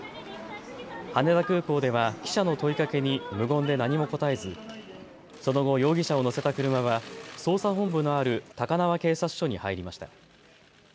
羽田空港では記者の問いかけに無言で何も答えずその後、容疑者を乗せた車は捜査本部のある高輪警察署に入りました。